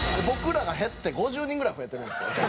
僕らが減って５０人ぐらい増えてるんですよ